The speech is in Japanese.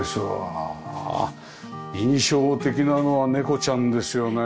ああ印象的なのは猫ちゃんですよね。